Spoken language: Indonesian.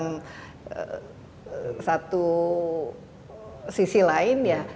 satu sisi lain ya